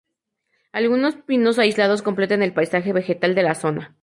Algunos pinos aislados completan el paisaje vegetal de la zona.